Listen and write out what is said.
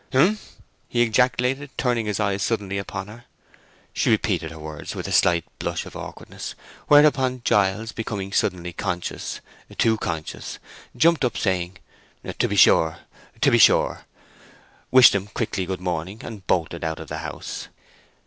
"H'm!" he ejaculated, turning his eyes suddenly upon her. She repeated her words with a slight blush of awkwardness; whereupon Giles, becoming suddenly conscious, too conscious, jumped up, saying, "To be sure, to be sure!" wished them quickly good morning, and bolted out of the house.